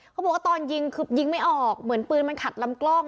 เขาบอกว่าตอนยิงคือยิงไม่ออกเหมือนปืนมันขัดลำกล้อง